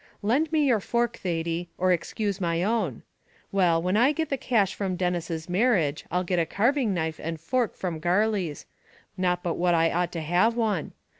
Lend me your fork, Thady, or excuse my own. Well, when I get the cash from Denis's marriage, I'll get a carving knife and fork from Garley's; not but what I ought to have one.